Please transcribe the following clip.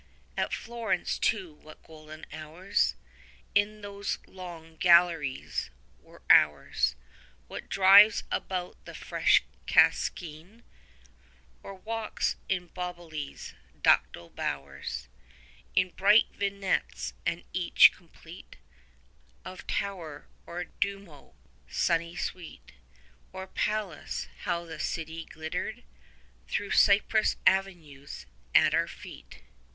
40 At Florence too what golden hours, In those long galleries, were ours; What drives about the fresh Cascinè, Or walks in Boboli's ducal bowers. In bright vignettes, and each complete, 45 Of tower or duomo, sunny sweet, Or palace, how the city glittered, Thro' cypress avenues, at our feet.